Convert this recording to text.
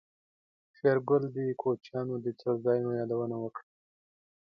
شېرګل د کوچيانو د څړځايونو يادونه وکړه.